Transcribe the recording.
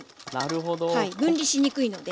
分離しにくいので。